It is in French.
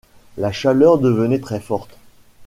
La chaleur devenait très-forte.